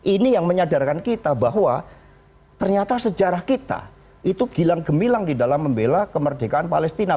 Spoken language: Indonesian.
ini yang menyadarkan kita bahwa ternyata sejarah kita itu gilang gemilang di dalam membela kemerdekaan palestina